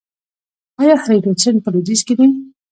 آیا هریرود سیند په لویدیځ کې دی؟